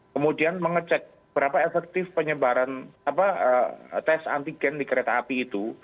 kemudian mengecek berapa efektif penyebaran tes antigen di kereta api itu